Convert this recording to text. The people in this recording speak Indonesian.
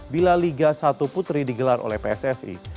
bila liga satu putri digelar oleh pssi